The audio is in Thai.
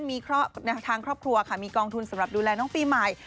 มีแนวทางครอบครัวค่ะมีกองทุนสำหรับดูแลน้องปีใหม่